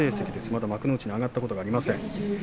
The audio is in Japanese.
まだ幕内に上がったことがありません。